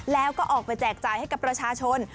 แล้วก็ออกไปแจกจ่ายให้กับประชาชน